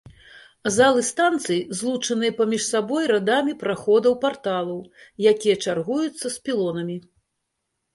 Залы станцыі злучаныя паміж сабой радамі праходаў-парталаў, якія чаргуюцца з пілонамі.